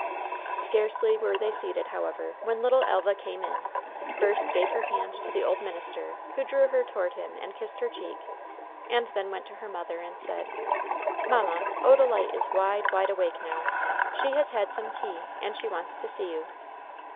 Scarcely were they seated, however, when little Elva came in, first gave her hand to the old minister, who drew her toward him and kissed her cheek, and then went to her mother, and said: "Mamma, Odalite is wide, wide awake now. She has had some tea, and she wants to see you."